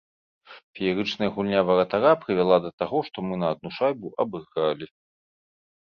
Феерычная гульня варатара прывяла да таго, што мы на адну шайбу абыгралі.